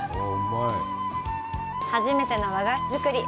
初めての和菓子作り